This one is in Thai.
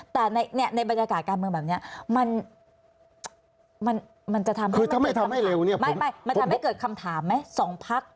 แต่ในบรรยากาศการเมืองแบบนี้มันจะทำให้เกิดคำถามไหม